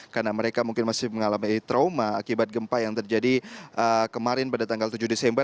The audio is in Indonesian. karena mereka mungkin masih mengalami trauma akibat gempa yang terjadi kemarin pada tanggal tujuh desember